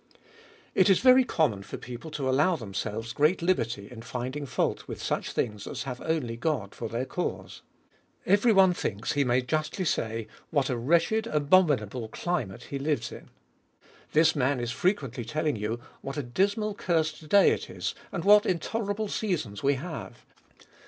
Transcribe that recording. It is very common for people to allow themselves great Hberty in finding fault with such things as have only God for their cause. Every one thinks he may justly say, what a wretched, abominable climate he lives in. This man is frequently telling you, what a dismal, cursed day it is, and what intolerable seasons we have.